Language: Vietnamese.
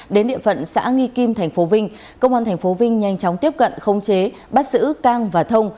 đến địa phận xã nghi kim tp vinh công an tp vinh nhanh chóng tiếp cận khống chế bắt giữ cang và thông